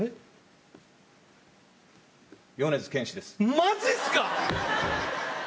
マジっすか！？